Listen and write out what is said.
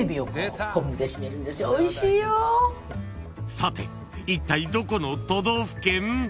［さていったいどこの都道府県？］